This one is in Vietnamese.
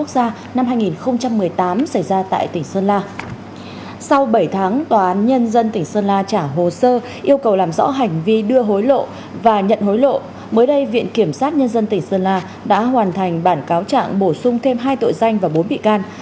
sau bảy tháng tòa án nhân dân tỉnh sơn la trả hồ sơ yêu cầu làm rõ hành vi đưa hối lộ và nhận hối lộ mới đây viện kiểm sát nhân dân tỉnh sơn la đã hoàn thành bản cáo trạng bổ sung thêm hai tội danh và bốn bị can